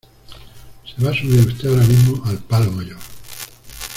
se va a subir usted ahora mismo al palo mayor